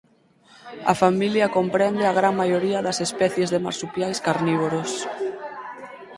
A familia comprende a gran maioría das especies de marsupiais carnívoros.